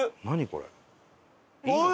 これ。